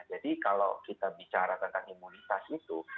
jadi kalau kita bicara tentang imunitas itu